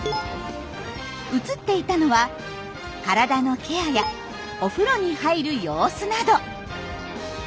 映っていたのは体のケアやお風呂に入る様子など。